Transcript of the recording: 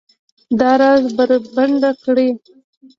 دا راز بربنډ کړي